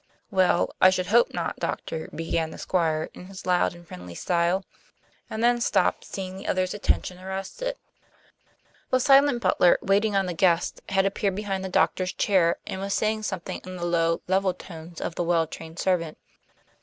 "Well, I should hope not, Doctor," began the Squire, in his loud and friendly style, and then stopped, seeing the other's attention arrested. The silent butler waiting on the guests had appeared behind the doctor's chair, and was saying something in the low, level tones of the well trained servant.